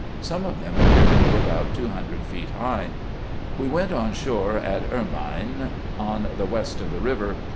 Some of them appear to be about two hundred feet high. We went on shore at Ermyne, on the west of the river.